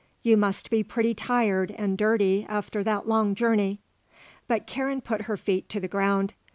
You must be pretty tired and dirty after that long journey." But Karen put her feet to the ground.